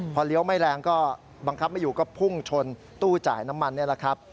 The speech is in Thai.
พอเลี้ยวไม่แรงก็บังคับไม่อยู่ก็พุ่งชนตู้จ่ายน้ำมันนี่แหละครับ